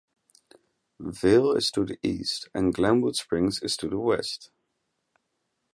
Vail is to the east, and Glenwood Springs is to the west.